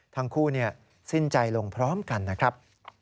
ทั้งคู่สิ้นใจลงพร้อมกันนะครับ